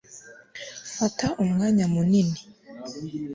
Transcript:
fata umwanya munini